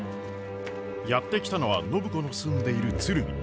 やって来たのは暢子の住んでいる鶴見。